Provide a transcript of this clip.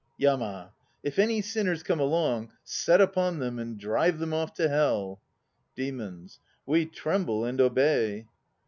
YAMA. If any sinners come along, set upon them and drive them off to Hell. DEMONS. We tremble and obey.